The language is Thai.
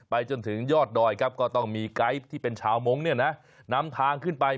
ไปจนถึงยอดดอยก็ต้องมีไกด์ที่เป็นชาวมงค์นำทางขึ้นไป